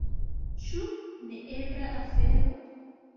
Ĉu neebla afero?